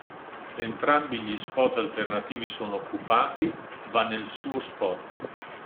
Se entrambi gli spot alternativi sono occupati, va nel suo spot.